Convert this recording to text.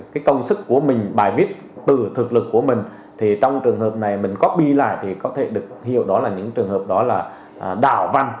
cái công sức của mình bài viết từ thực lực của mình thì trong trường hợp này mình cóp bi lại thì có thể được hiểu đó là những trường hợp đó là đào văn